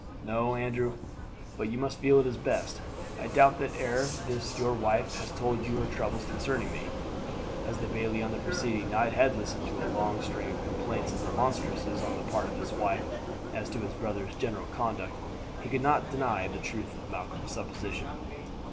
"No, Andrew, but you must feel it is best. I doubt not that ere this your wife has told you her troubles concerning me." As the bailie on the preceding night had listened to a long string of complaints and remonstrances on the part of his wife as to his brother's general conduct he could not deny the truth of Malcolm's supposition.